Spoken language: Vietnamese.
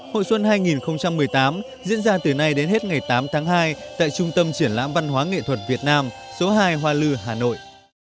hội xuân hai nghìn một mươi tám diễn ra từ nay đến hết ngày tám tháng hai tại trung tâm triển lãm văn hóa nghệ thuật việt nam số hai hoa lư hà nội